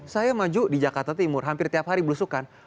saya maju di jakarta timur hampir tiap hari belusukan